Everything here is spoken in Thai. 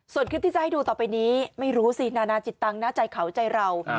ส่วนคลิปที่จะให้ดูต่อไปนี้ไม่รู้สินานาจิตตังค์นะใจเขาใจเรา